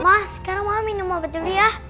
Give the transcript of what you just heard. mas sekarang mama minum obat dulu ya